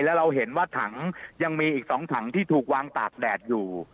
แล้วเราเห็นว่าถังยังมีอีก๒ถังที่ถูกวางตากแดดอยู่